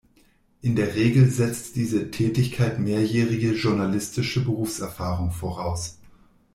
In der Regel setzt diese Tätigkeit mehrjährige journalistische Berufserfahrung voraus.